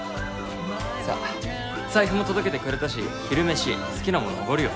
さっ財布も届けてくれたし昼飯好きなものおごるよ。